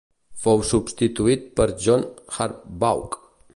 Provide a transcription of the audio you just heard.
Fou substituït per John Harbaugh.